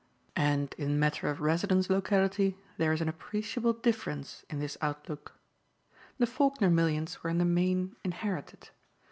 And in matter of residence locality there is an appreciable difference in this outlook. The Faulkner millions were in the main inherited.